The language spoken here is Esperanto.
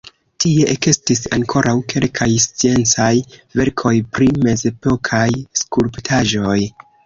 Tie ekestis ankoraŭ kelkaj sciencaj verkoj pri mezepokaj skulptaĵoj.